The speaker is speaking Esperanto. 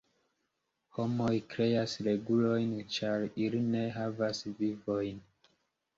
Homoj kreas regulojn ĉar ili ne havas vivojn.